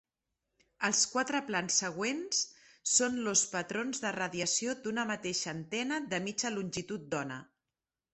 Els quatre plans següents són los patrons de radiació d'una mateixa antena de mitja longitud d'ona.